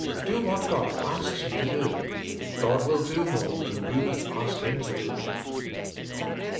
Do what God asks you to do ; God will do more than you can ask Him to do.